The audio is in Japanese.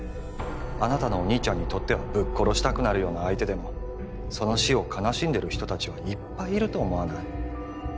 あなたのお兄ちゃんにとってはぶっ殺したくなるような相手でもその死を悲しんでる人達はいっぱいいると思わない？